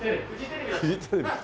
フジテレビです。